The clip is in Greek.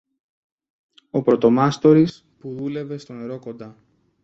Ο πρωτομάστορης που δούλευε στο νερό κοντά